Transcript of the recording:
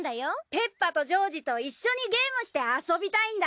ペッパとジョージと一緒にゲームして遊びたいんだ。